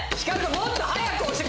もっと早く押して！